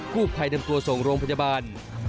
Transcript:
กลุ่มไพรนำตัวส่งโรงพจบาล